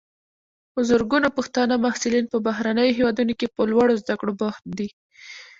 په زرګونو پښتانه محصلین په بهرنیو هیوادونو کې په لوړو زده کړو بوخت دي.